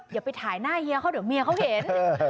อย่าไปถ่ายหน้าเฮียเขาเดี๋ยวเมียเขาเห็น